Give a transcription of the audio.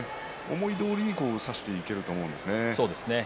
思いどおりに差していけると思うんですよね。